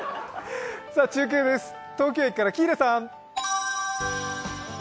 中継です、東京駅から喜入さん。